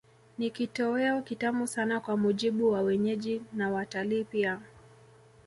Ni kitoweo kitamu sana kwa mujibu wa wenyeji na watalii pia